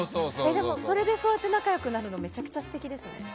でも、それでそうやって仲良くなるのめちゃくちゃ素敵ですね。